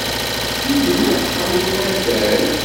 Medden akk ḥemmlen addal.